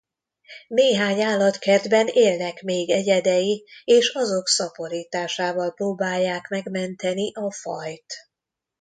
Néhány állatkertben élnek még egyedei és azok szaporításával próbálják megmenteni a fajt.